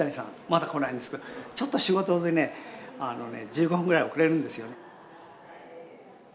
まだ来ないんですけどちょっと仕事でね１５分ぐらい遅れるんですよ。